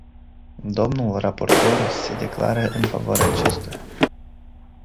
Domnul raportor se declară în favoarea acestuia.